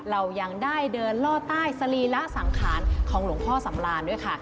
เรายังได้เดินล่อใต้สรีระสังขารของหลวงพ่อสำรานด้วยค่ะ